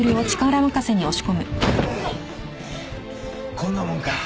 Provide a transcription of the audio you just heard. こんなもんか。